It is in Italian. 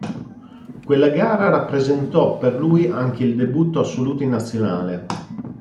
Quella gara rappresentò per lui anche il debutto assoluto in Nazionale.